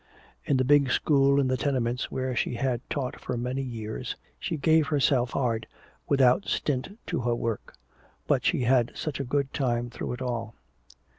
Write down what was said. In the big school in the tenements where she had taught for many years, she gave herself hard without stint to her work, but she had such a good time through it all.